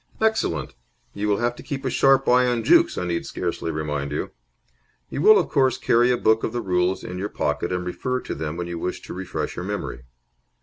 "Excellent. You will have to keep a sharp eye on Jukes, I need scarcely remind you. You will, of course, carry a book of the rules in your pocket and refer to them when you wish to refresh your memory.